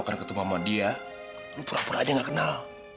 kan ketemu ama dia lo pura pura aja gak kenal